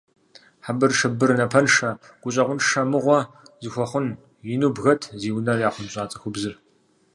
Хьэбыршыбыр, напэншэ, гущӏэгъуншэ, мыгъуэ зыхуэхъун! - ину бгэт зи унэр яхъунщӏа цӏыхубзыр.